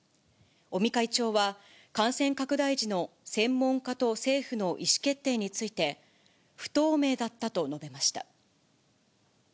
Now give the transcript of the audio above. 尾身会長は、感染拡大時の専門家と政府の意思決定について、不透明だったと述べました。